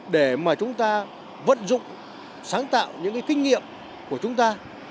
để mà chúng ta vận dụng sáng tạo những kinh nghiệm của chúng ta